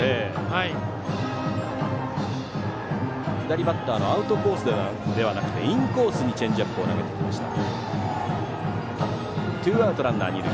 左バッターのアウトコースではなくてインコースにチェンジアップを投げてきました。